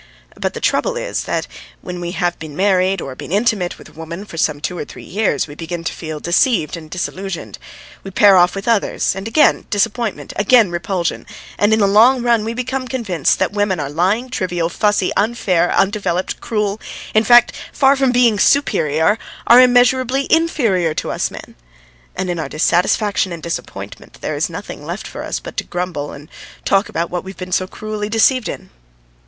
But the trouble is that when we have been married or been intimate with a woman for some two or three years, we begin to feel deceived and disillusioned: we pair off with others, and again disappointment, again repulsion, and in the long run we become convinced that women are lying, trivial, fussy, unfair, undeveloped, cruel in fact, far from being superior, are immeasurably inferior to us men. And in our dissatisfaction and disappointment there is nothing left for us but to grumble and talk about what we've been so cruelly deceived in."